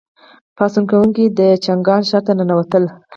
پاڅون کوونکي د چانګان ښار ته ننوتل.